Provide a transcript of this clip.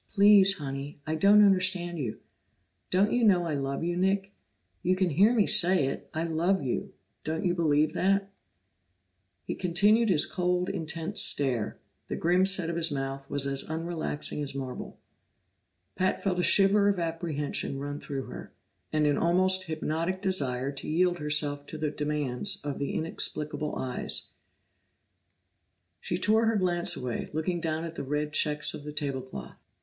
"Please, Honey I don't understand you. Don't you know I love you, Nick? You can hear me say it: I love you. Don't you believe that?" He continued his cold, intense stare; the grim set of his mouth was as unrelaxing as marble. Pat felt a shiver of apprehension run through her, and an almost hypnotic desire to yield herself to the demands of the inexplicable eyes. She tore her glance away, looking down at the red checks of the table cloth.